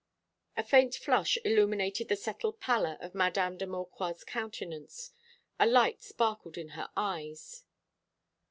A faint flush illuminated the settled pallor of Mdme. de Maucroix's countenance, a light sparkled in her eyes.